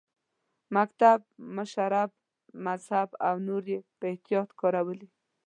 مکتب، مشرب، ذهب او نور یې په احتیاط کارولي.